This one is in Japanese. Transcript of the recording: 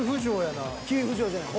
急浮上じゃない。